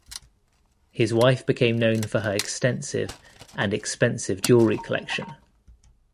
His wife became known for her extensive and expensive jewelry collection.